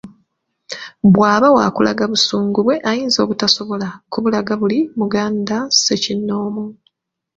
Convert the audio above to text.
Bw'aba waakulaga busungu bwe ayinza obutasobola kubulaga ku buli Muganda ssekinnoomu